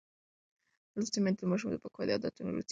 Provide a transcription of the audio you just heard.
لوستې میندې د ماشوم د پاکوالي عادتونه روزي.